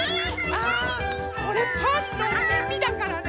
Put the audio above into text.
あこれパンのみみだからね。